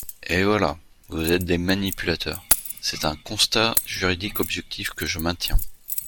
Et voilà ! Vous êtes des manipulateurs ! C’est un constat juridique objectif, que je maintiens.